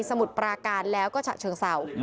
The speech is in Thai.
มุดปราการแล้วก็ฉะเชิงเศร้า